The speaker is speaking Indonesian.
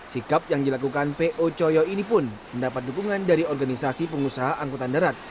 sikap yang dilakukan po coyo ini pun mendapat dukungan dari organisasi pengusaha angkutan darat